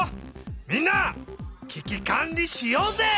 みんなききかんりしようぜ！